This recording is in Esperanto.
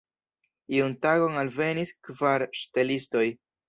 Iun tagon alvenis kvar ŝtelistoj.